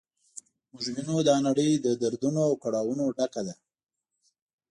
موږ وینو دا نړۍ له دردونو او کړاوونو ډکه ده.